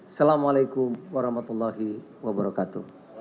assalamualaikum warahmatullahi wabarakatuh